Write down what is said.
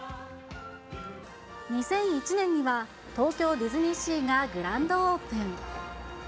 ２００１年には、東京ディズニーシーがグランドオープン。